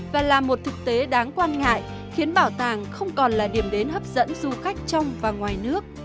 và là một thực tế đáng quan ngại khiến bảo tàng không còn là điểm đến hấp dẫn du khách trong và ngoài nước